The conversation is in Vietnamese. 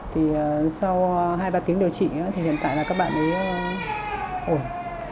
thì sau hai ba tiếng điều trị thì hiện tại là các bạn ấy ổn